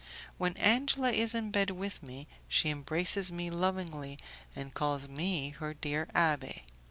When Angela is in bed with me, she embraces me lovingly and calls me her dear abbé."